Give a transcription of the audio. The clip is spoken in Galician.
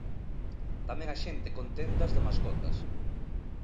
Tamén á xente con tendas de mascotas.